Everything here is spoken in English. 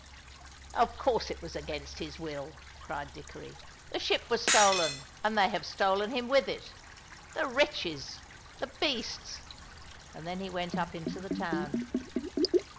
"Of course it was against his will," cried Dickory. "The ship was stolen, and they have stolen him with it. The wretches! The beasts!" And then he went up into the town.